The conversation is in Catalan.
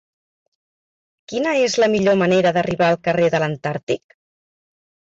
Quina és la millor manera d'arribar al carrer de l'Antàrtic?